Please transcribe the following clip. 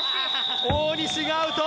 大西がアウト！